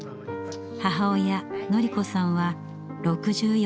母親典子さんは６４歳。